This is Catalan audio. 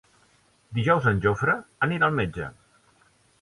Dijous en Jofre anirà al metge.